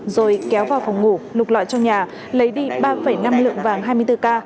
rồi kéo vào phòng ngủ lục loại trong nhà lấy đi ba năm lượng vàng hai mươi bốn k